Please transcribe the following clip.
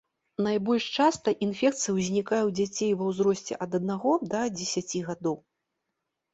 Найбольш часта інфекцыя ўзнікае ў дзяцей ва ўзросце ад аднаго да дзесяці гадоў.